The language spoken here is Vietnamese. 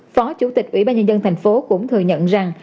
phó chủ tịch ủy ban nhân dân tp cũng thừa nhận rằng